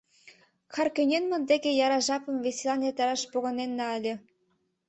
Харкӧненмыт деке яра жапым веселан эртараш погынена ыле.